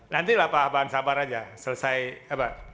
nantilah pak abahansabar saja